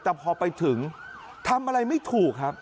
แต่พอไปถึงทำอะไรไม่ถูกครับ